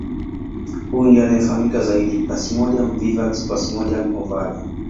Huyu ndiye anayefahamika zaidi Plasmodium vivax Plasmodium ovale